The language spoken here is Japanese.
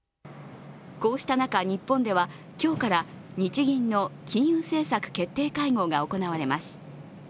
こうした中、日本では今日から日銀の金融政策決定会合が行われます。